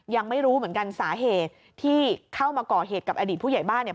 ยังไม่รู้เหมือนกันสาเหตุที่เข้ามาก่อเหตุกับอดีตผู้ใหญ่บ้านเนี่ย